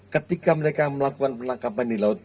ketika mereka melakukan penangkapan di laut